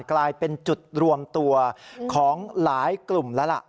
กลายเป็นจุดรวมตัวของหลายกลุ่มแล้วล่ะ